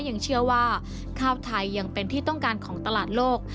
ยังเชื่อว่าข้าวไทยยังเป็นที่ต้องการของตลาดโลก